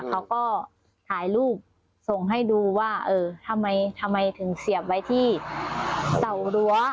เขาก็ถ่ายรูปส่งให้ดูว่าเออทำไมทำไมถึงเสียบไว้ที่เตารั้ว